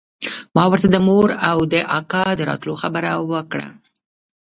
ما ورته د مور او د اکا د راتلو خبره وکړه.